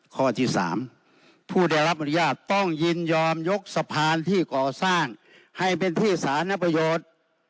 ข้อที่๓ผู้ได้รับอนุญาตต้องยินยอมยกสะพานที่ก่อสร้างให้เป็นที่สานประโยชน์